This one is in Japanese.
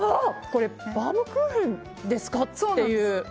これバウムクーヘンですかっていう。